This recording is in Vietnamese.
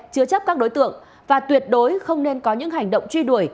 các đối tượng và tuyệt đối không nên có những hành động truy đuổi